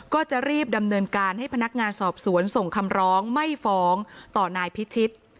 ก็จะรีบดำเนินการให้พนักงานสอบสวนส่งคำร้องไม่ฟ้องต่อนายพิชิต